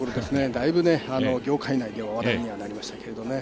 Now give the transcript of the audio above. だいぶね、業界内では話題にもなりましたけどね。